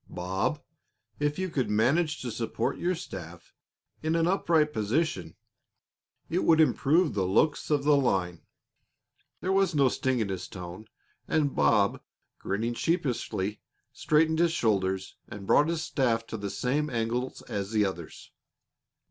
Bob, if you could manage to support your staff in an upright position, it would improve the looks of the line." There was no sting in his tone, and Bob, grinning sheepishly, straightened his shoulders and brought his staff to the same angle as the others.